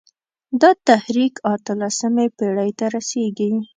دا تحریک اته لسمې پېړۍ ته رسېږي.